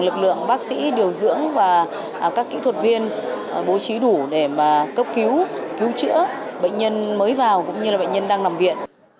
lực lượng bác sĩ điều dưỡng và các kỹ thuật viên bố trí đủ để cấp cứu cứu chữa bệnh nhân mới vào cũng như là bệnh nhân đang nằm viện